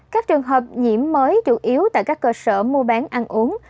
các trường hợp nhiễm mới chủ yếu tại các cơ sở mua bán ăn uống